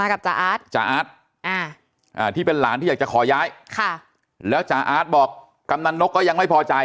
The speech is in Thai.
รากลับก่อน